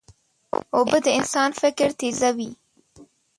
اوبه د انسان فکر تیزوي.